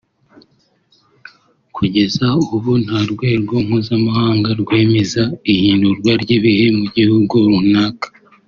Kugeza ubu nta rwego mpuzamahanga rwemeza ihindurwa ry’ibihe mu gihugu runaka